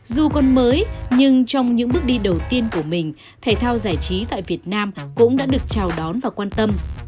dù còn mới nhưng trong những bước đi đầu tiên của mình thể thao giải trí tại việt nam cũng đã được chào đón và quan tâm